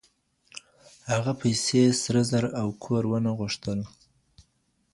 هغې پیسې، سره زر او کور ونه غوښتل.